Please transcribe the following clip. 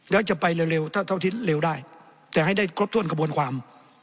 แล้วจะไปเร็วเท่าที่เร็วได้แต่ให้ได้ครบถ้วนกระบวนความ